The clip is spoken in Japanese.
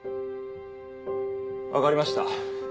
分かりました